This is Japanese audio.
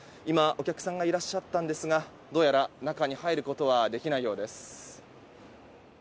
今、お客さんがいらっしゃったんですがどうやら中に入ることはできないようです。